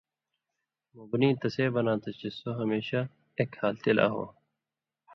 مبنی تسے بناں تھہ چے سو ہمیشہ اک حالتی لا ہو